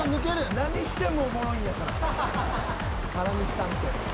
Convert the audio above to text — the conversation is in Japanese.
何してもおもろいんやから原西さんって。